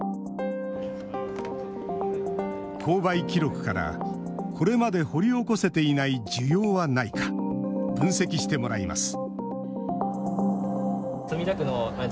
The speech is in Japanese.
購買記録から、これまで掘り起こせていない需要はないか分析してもらいます